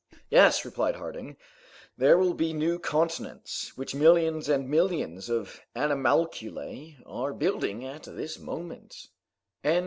"Yes," replied Harding, "there will be new continents which millions and millions of animalculae are building at this moment."